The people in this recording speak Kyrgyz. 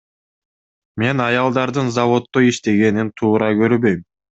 Мен аялдардын заводдо иштегенин туура көрбөйм.